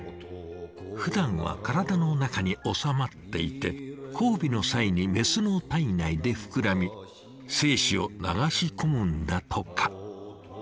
ふだんは体の中に収まっていて交尾の際にメスの体内で膨らみ精子を流し込むんだとか。